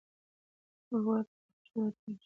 هغوی غواړي په خپلو پښو ودرېږي.